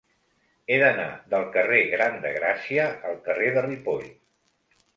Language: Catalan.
He d'anar del carrer Gran de Gràcia al carrer de Ripoll.